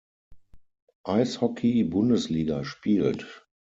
Eishockey-Bundesliga spielt.